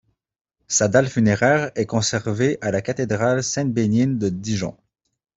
Sa dalle funéraire est conservée à la cathédrale Saint-Bénigne de Dijon.